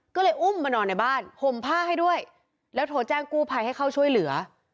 ก็เลยอุ้มมานอนในบ้านห่มผ้าให้ด้วยแล้วโทรแจ้งกู้ภัยให้เข้าช่วยเหลือ